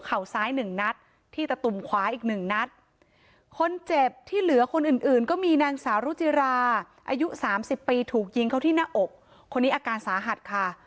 อายุสามสิบปีถูกยิงเขาที่หน้าอกคนนี้อาการสาหัสค่ะ